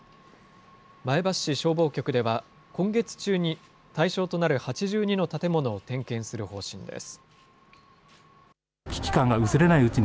前橋市消防局では今月中に、対象となる８２の建物を点検する方針です。